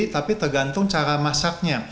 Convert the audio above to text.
tapi tergantung cara masaknya